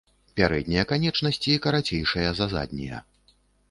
Пярэднія канечнасці карацейшыя за заднія.